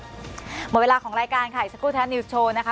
หมดเวลาของรายการค่ะอีกสักครู่แท็นิวส์โชว์นะคะ